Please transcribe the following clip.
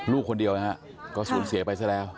ลูกคนเดียวนะฮะก็สูญเสียไปซะแล้ว